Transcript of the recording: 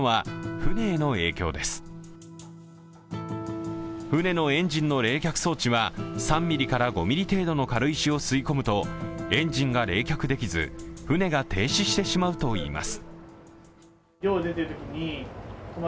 船のエンジンの冷却装置は３ｍｍから５ｍｍ程度の軽石を吸い込むとエンジンが冷却できず船が停止してしまうといいます。